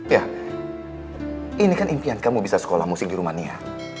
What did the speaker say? ya ini kan impian kamu bisa sekolah musik di rumania